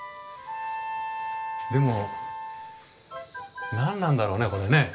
でも何なんだろうねこれね。